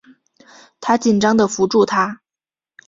她紧张的扶住她